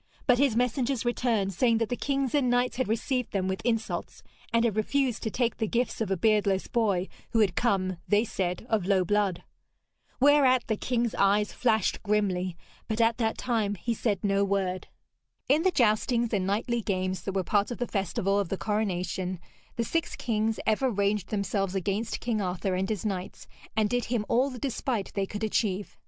But his messengers returned, saying that the kings and knights had received them with insults, and had refused to take the gifts of a beardless boy who had come, they said, of low blood. Whereat the king's eyes flashed grimly, but at that time he said no word. In the joustings and knightly games that were part of the festival of the coronation, the six kings ever ranged themselves against King Arthur and his knights, and did him all the despite they could achieve.